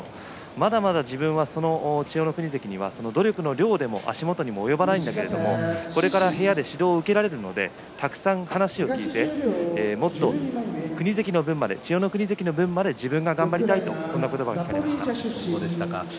まだまだ自分は千代の国関には努力の量でも足元に及ばないけれどもこれから部屋でたくさん話を聞いて千代の国関の分まで自分が頑張りたいという話をしていました。